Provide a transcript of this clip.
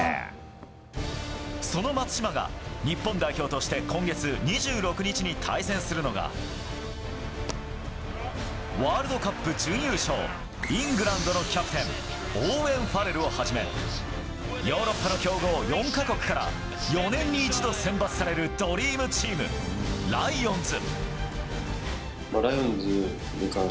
その松島が日本代表として今月２６日に対戦するのがワールドカップ準優勝イングランドのキャプテンオーウェン・ファレルをはじめヨーロッパの強豪４か国から４年に一度選抜されるドリームチーム、ライオンズ。